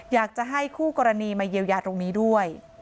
อยากจะให้คู่กรณีมาเยียวยาตรงนี้ด้วย